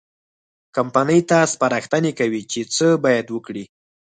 کمپنۍ ته سپارښتنې کوي چې څه باید وکړي.